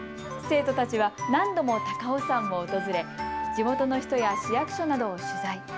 生徒たちは何度も高尾山を訪れ地元の人や市役所などを取材。